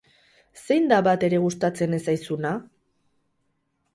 Zein da batere gustatzen ez zaizuna?